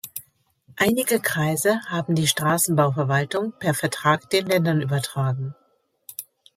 Einige Kreise haben die Straßenbauverwaltung per Vertrag den Ländern übertragen.